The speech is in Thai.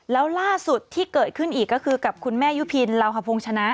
แล้วล่าสุดที่เกิดขึ้นอีกก็คือกับคุณแม่ยุพินลาวหพงศ์ชนะ